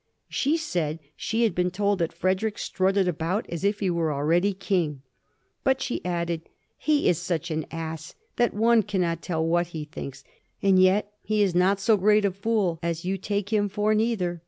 She said she had been told that Frederick strutted about as if he were already King. But she added, ^^ He is such an ass that one cannot tell what he thinks; and yet he is not so great a fool as you take him for, neither."